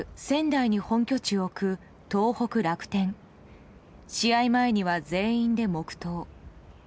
仙台に本拠地を置く東北楽天。試合前には全員で黙祷。